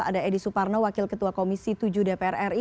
ada edi suparno wakil ketua komisi tujuh dpr ri